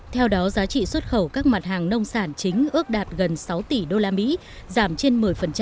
theo đó giá trị xuất khẩu các mặt hàng nông sản chính ước đạt gần sáu tỷ đô la mỹ giảm trên một mươi